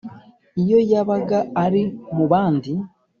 iyo yabaga ari mu bandi